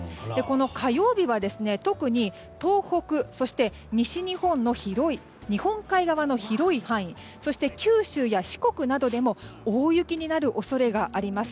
火曜日は、特に東北西日本の日本海側の広い範囲そして九州や四国などでも大雪になる恐れがあります。